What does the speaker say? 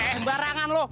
eh eh eh barangan lo